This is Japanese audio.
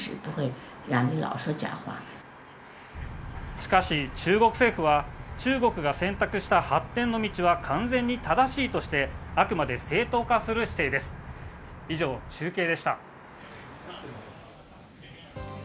しかし中国政府は、中国が選択した発展の道は完全に正しいとして、あくまで正当化する姿勢です。